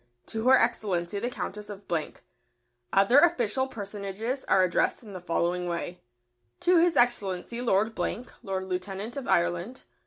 To Her Excellency the Countess of . Other official personages are addressed in the following way: To His Excellency Lord Blank, Lord Lieutenant of Ireland.